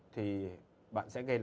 thì bạn sẽ gây